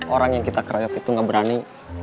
orang yang kita karyot itu gak berani